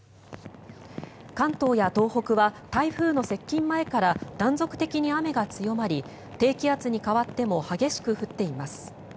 関東や東北は台風の接近前から断続的に雨が強まり低気圧に変わっても激しく降っています。